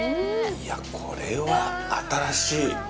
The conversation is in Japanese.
いや、これは新しい。